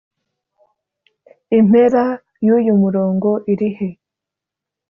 impera yuyu murongo irihe?